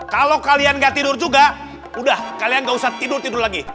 kalau kalian nggak tidur juga udah kalian nggak usah tidur tidur lagi